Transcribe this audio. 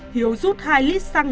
hiếu rút hai lít xăng